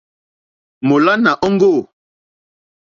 Mólánà òŋɡô.